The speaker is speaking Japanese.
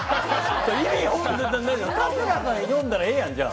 意味不明春日さん呼んだらええやん、じゃあ！